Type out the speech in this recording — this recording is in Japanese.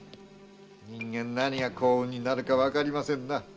人間なにが幸運になるかわかりませんな。